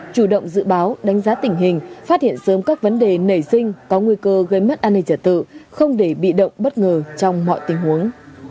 chủ động dự báo đánh giá tình hình phát hiện sớm các vấn đề nảy sinh có nguy cơ gây mất an ninh trật tự không để bị động bất ngờ trong mọi tình huống